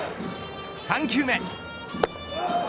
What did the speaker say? ３球目。